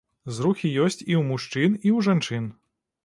Зрухі ёсць і ў мужчын, і ў жанчын.